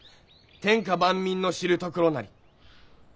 天下万民の知るところなり。